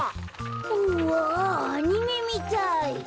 うわあアニメみたい！